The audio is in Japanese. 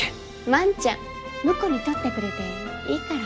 万ちゃん婿に取ってくれていいから。